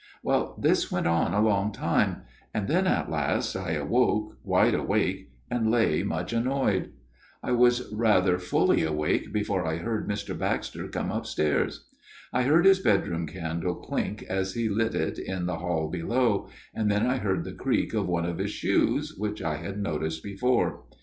Well, this went on a long while, and then at last I awoke, wide awake, and lay much annoyed. I was hardly fully awake before I heard Mr. Baxter come upstairs. I heard his bedroom candle clink as he lit it in the hall below, and then I heard the creak of one of his shoes, which I had noticed before.